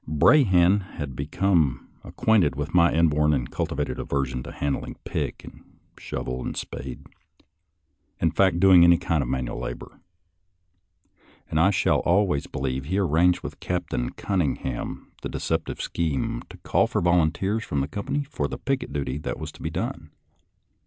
Brahan has become ac quainted with my inborn and cultivated aversion to handling pick, shovel, and spade, — in fact, do ss 24 SOLDIER'S LETTERS TO CHARMING NELLIE ing any kind of manual labor, — and I shall al ways believe he arranged with Captain Cunning ham the deceptive scheme to call for volunteers from the company for the picket duty that was to be done.